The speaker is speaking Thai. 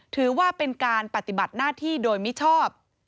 ถือว่าเป็นการปฏิบัติหน้าที่โดยมิชอบ